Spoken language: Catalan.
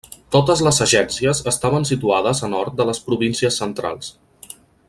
Totes les agències estaven situades a nord de les Províncies Centrals.